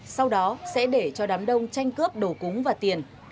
sau đó sẽ để cho đám đông tranh cướp đồ cúng và tiền